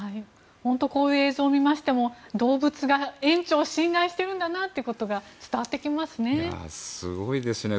本当にこういう映像を見ましても動物が園長を信頼しているんだなということが伝わってきますね。